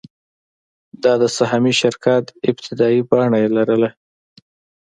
دا د سهامي شرکت ابتدايي بڼه یې لرله.